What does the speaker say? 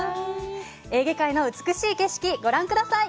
エーゲ海の美しい景色、ご覧ください。